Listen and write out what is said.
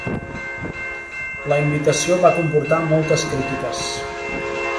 La invitació va comportar moltes crítiques.